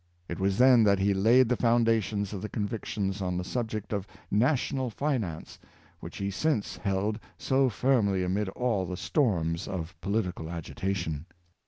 It was then that he laid the foundations of the convictions on the subject of National finance which he since held so firmly amid all the storms of political agitation.